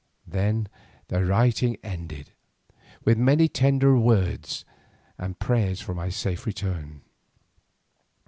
Then the writing ended with many tender words and prayers for my safe return.